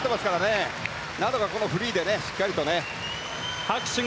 何とかフリーでしっかりとね。